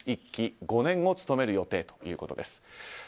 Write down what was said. １期５年を務める予定だということです。